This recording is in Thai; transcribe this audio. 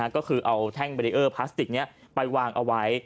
ก็คือเอาแท่งเบรีเออร์พลาสติกนี้ไปวางเอาไว้